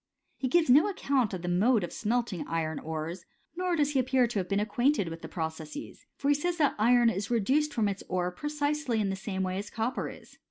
f He gives no account of the mode of smelting iron ores ; nor does he appear to have been acquainted with the processes ; for he says that iron is reduced from its ore precisely in the same way as copper is.